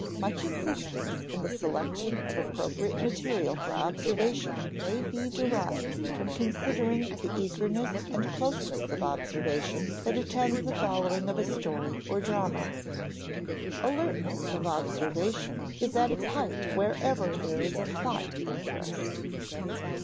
Much assistance in the selection of appropriate material for observation may be derived from considering the eagerness and closeness of observation that attend the following of a story or drama. Alertness of observation is at its height wherever there is "plot interest."